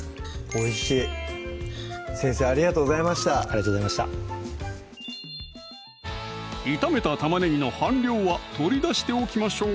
おいしい先生ありがとうございましたありがとうございました炒めた玉ねぎの半量は取り出しておきましょう